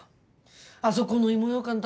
あそこの芋ようかん